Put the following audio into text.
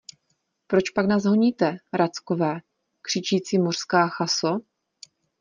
Pročpak nás honíte, rackové, křičící mořská chaso?